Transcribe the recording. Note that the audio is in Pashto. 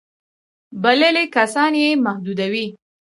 بللي کسان یې محدود وي.